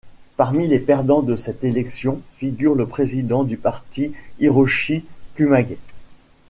Parmi les perdants de cette élection figure le président du parti, Hiroshi Kumagai.